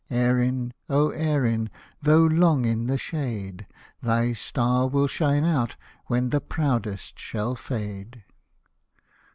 Erin, O Erin, tho' long in the shade. Thy star will shine out when the proudest shall fade.